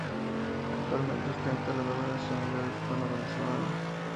Actualmente ostenta la doble nacionalidad, Hispano-Venezolana.